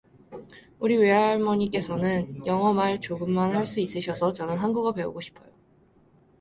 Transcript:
우리 외할머니께서는 영어 말 조금만 할 수 있으셔서 저는 한국어 배우고 싶어요.